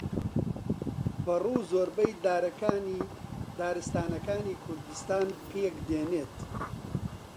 بەڕوو زۆربەی دارەکانی دارستانەکانی کوردستان پێک دێنێت